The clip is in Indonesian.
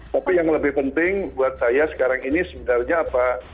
tapi yang lebih penting buat saya sekarang ini sebenarnya apa